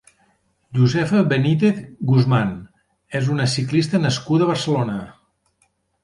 Josefa Benítez Guzmán és una ciclista nascuda a Barcelona.